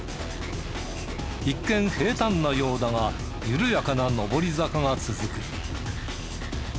一見平坦なようだが緩やかな上り坂が続く。